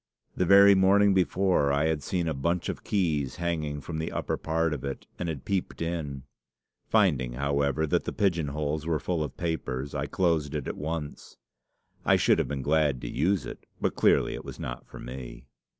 The very morning before, I had seen a bunch of keys hanging from the upper part of it, and had peeped in. Finding however, that the pigeon holes were full of papers, I closed it at once. I should have been glad to use it, but clearly it was not for me.